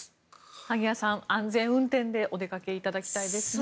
萩谷さん、安全運転でお出かけいただきたいですね。